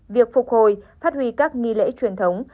việc phục hồi phát huy các nghi lễ truyền thống